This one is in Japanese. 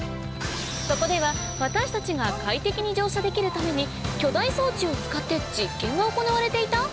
そこでは私たちが快適に乗車できるために巨大装置を使って実験が行われていた？